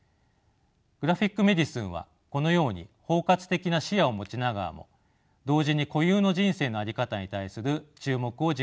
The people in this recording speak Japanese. グラフィック・メディスンはこのように包括的な視野を持ちながらも同時に固有の人生の在り方に対する注目を軸としています。